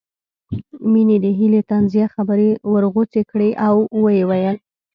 مينې د هيلې طنزيه خبرې ورغوڅې کړې او ويې ويل